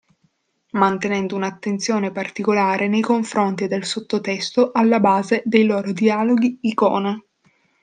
Mantenendo un'attenzione particolare nei confronti del sottotesto alla base dei loro dialoghi-icona.